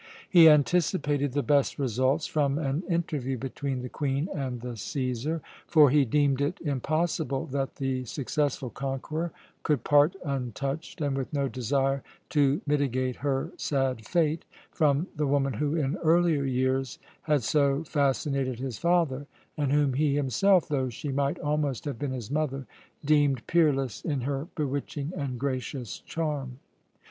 He anticipated the best results from an interview between the Queen and the Cæsar; for he deemed it impossible that the successful conqueror could part untouched, and with no desire to mitigate her sad fate, from the woman who, in earlier years, had so fascinated his father, and whom he himself, though she might almost have been his mother, deemed peerless in her bewitching and gracious charm.